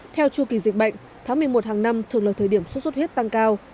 theo chu kỳ dịch bệnh tháng một mươi một hàng năm thường là thời điểm xuất xuất huyết tăng cao